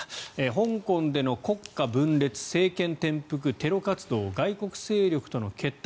香港での国家分裂、政権転覆テロ活動、外国勢力との結託